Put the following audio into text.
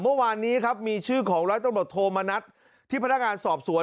เมื่อวานนี้ครับมีชื่อของร้อยตำรวจโทมณัฐที่พนักงานสอบสวน